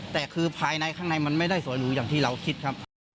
แต่คือภายในข้างในมันไม่ได้สวยหนูอย่างที่เราคิดครับ